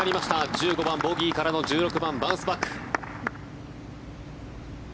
１５番、ボギーからの１６番、バウンスバック。